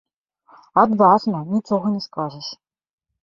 Адважна, нічога не скажаш.